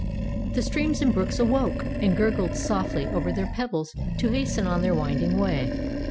The streams and brooks awoke, and gur gled softly over their pebbles to hasten on their winding way.